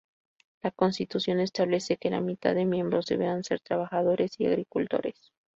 La Constitución establece que la mitad de miembros deberán ser trabajadores y agricultores.